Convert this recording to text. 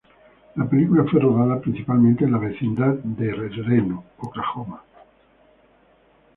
La película fue rodada principalmente en la vecindad de El Reno, Oklahoma.